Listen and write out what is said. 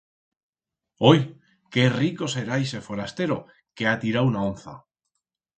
Oi, qué rico será ixe forastero que ha tirau una onza!